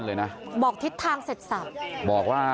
เพื่อนบ้านเจ้าหน้าที่อำรวจกู้ภัย